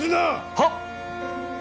はっ！